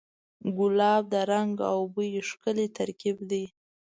ګلاب د رنګ او بوی ښکلی ترکیب دی.